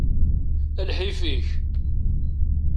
A lḥif-ik!